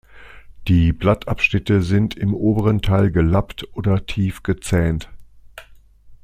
Die Blattabschnitte sind im oberen Teil gelappt oder tief gezähnt.